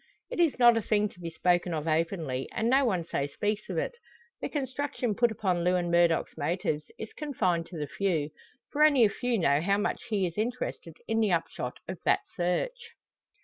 It is not a thing to be spoken of openly, and no one so speaks of it. The construction put upon Lewin Murdock's motives is confined to the few; for only a few know how much he is interested in the upshot of that search.